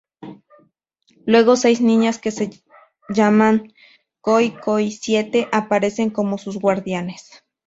Luego, seis niñas que se llaman Koi Koi Siete aparecen como sus guardianes.